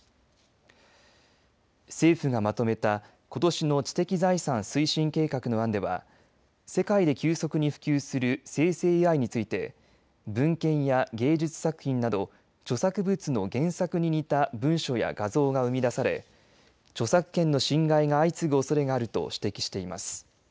政府がまとめたことしの知的財産推進計画の案では世界で急速に普及する生成ＡＩについて文献や芸術作品など著作物の原作に似た文書や画像が生み出され著作権の侵害が相次ぐおそれがあると指摘しています。